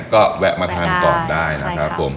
ก็แวะมาทานก่อนได้นะครับผม